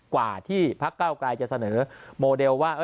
กว่าที่พักเก้าไกรจะเสนอโมเดลว่า